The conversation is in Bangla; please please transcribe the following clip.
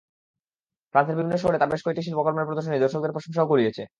ফ্রান্সের বিভিন্ন শহরে তাঁর বেশ কটি শিল্পকর্মের প্রদর্শনী দর্শকদের প্রশংসাও কুড়িয়েছে।